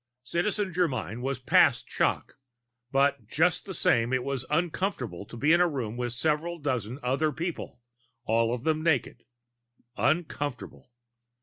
Citizen Germyn was past shock, but just the same it was uncomfortable to be in a room with several dozen other persons, all of them naked. Uncomfortable.